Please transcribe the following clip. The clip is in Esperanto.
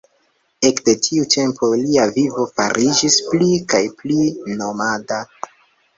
Ekde tiu tempo lia vivo fariĝis pli kaj pli nomada.